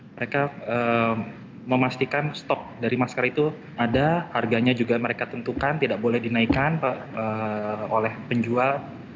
mereka memastikan stok dari masker itu ada harganya juga mereka tentukan tidak boleh dinaikkan oleh penjual